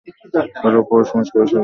কারো পৌষ মাস, কারো সবর্নাশ।